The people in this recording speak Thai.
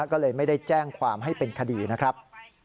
ก็เลยไม่ได้แจ้งความให้เป็นคดีนะครับ